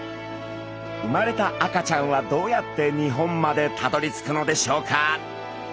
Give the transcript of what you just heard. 生まれた赤ちゃんはどうやって日本までたどりつくのでしょうか？